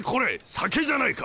酒じゃないか！